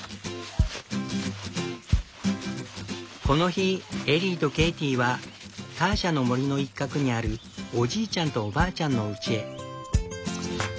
この日エリーとケイティはターシャの森の一角にあるおじいちゃんとおばあちゃんのうちへ。